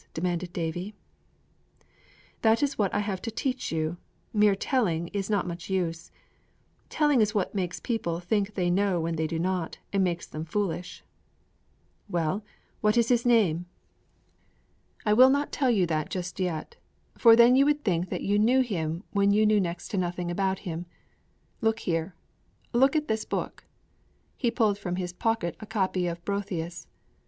demanded Davie. 'That is what I have to teach you; mere telling is not much use. Telling is what makes people think they know when they do not, and makes them foolish.' 'Well, what is his name?' 'I will not tell you that just yet; for then you would think that you knew Him when you knew next to nothing about Him. Look here! Look at this book!' He pulled from his pocket a copy of Boethius.